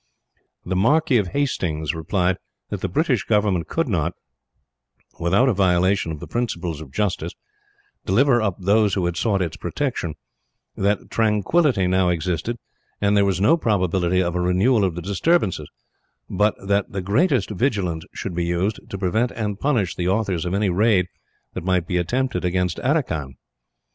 The Marquis of Hastings replied that the British government could not, without a violation of the principles of justice, deliver up those who had sought its protection; that tranquillity now existed, and there was no probability of a renewal of the disturbances; but that the greatest vigilance should be used, to prevent and punish the authors of any raid that might be attempted against Aracan.